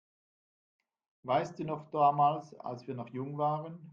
Weißt du noch damals, als wir noch jung waren?